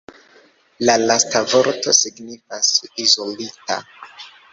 La lasta vorto signifas "izolita".